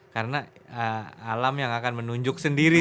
karena alam yang akan menunjuk sendiri